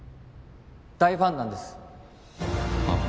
大ファンなんですはっ？